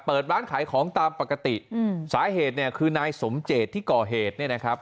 เปิดร้านขายของตามปกติอืมสาเหตุเนี่ยคือนายสมเจตที่ก่อเหตุเนี่ยนะครับ